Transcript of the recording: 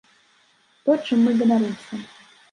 То, чым мы ганарымся.